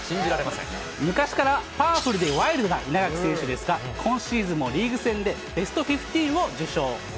昔からパワフルでワイルドな稲垣選手ですが、今シーズンもリーグ戦でベスト１５を受賞。